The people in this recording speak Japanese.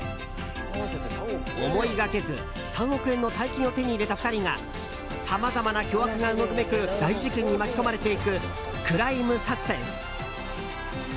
思いがけず３億円の大金を手に入れた２人がさまざまな巨悪がうごめく大事件に巻き込まれていくクライムサスペンス。